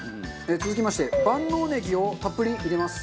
続きまして万能ねぎをたっぷり入れます。